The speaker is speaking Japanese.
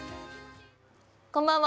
こんばんは。